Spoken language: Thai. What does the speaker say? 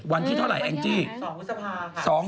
วันที่เท่าไหร่แองจี้๒พฤษภา